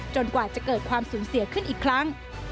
กว่าจะเกิดความสูญเสียขึ้นอีกครั้ง